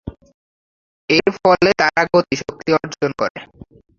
এর ফলে তারা গতিশক্তি অর্জন করে।